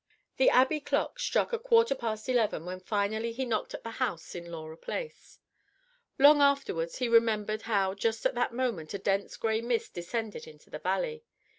The Abbey clock struck a quarter past eleven when finally he knocked at the house in Laura Place. Long afterwards he remembered how just at that moment a dense grey mist descended into the valley.